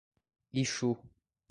Ichu